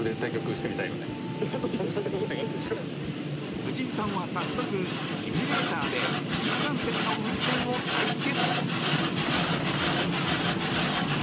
藤井さんは早速、シミュレーターで新幹線の運転を体験。